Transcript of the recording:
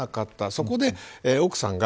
そこで奥さんが